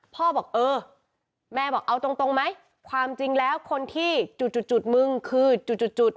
พ่อบอกเออแม่บอกเอาตรงไหมความจริงแล้วคนที่จุดมึงคือจุด